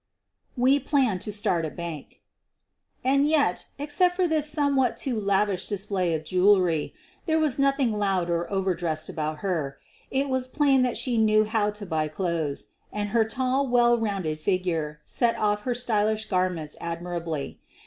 WE PLAN TO STABT A BANK And yet, except for this somewhat too lavish dis play of jewelry, there was nothing loud or over dressed about her. It was plain that she knew how to buy clothes, and her tall, well rounded figure set off her stylish garments admirably.